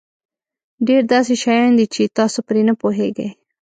ډېر داسې شیان دي چې تاسو پرې نه پوهېږئ.